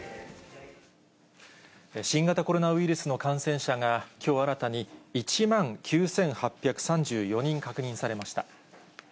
新型コロナウイルスの感染者がきょう新たに１万９８３４人確認されました。